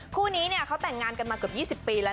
คู่นี้เนี่ยเขาแต่งงานกันมาเกือบ๒๐ปีแล้ว